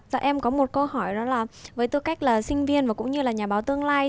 dạ em có một câu hỏi đó là với tư cách là sinh viên và cũng như là nhà báo tương lai